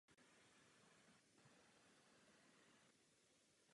Zároveň byla v rámci přestavby i vylepšena obrana stavbou dalších příkopů a valů.